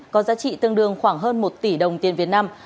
có giá trị tương đương khoảng hơn một tỷ đồng tiền việt nam